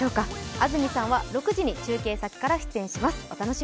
安住さんは６時に中継先から出演します。